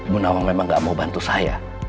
bu nawang memang gak mau bantu saya